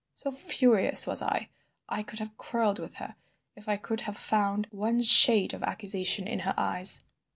So furious was I, I could have quarrelled with her if I could have found one shade of accusation in her eyes.